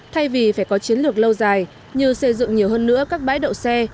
thay vì phải có chiến lược lâu dài như xây dựng nhiều hơn nữa các bãi đậu xe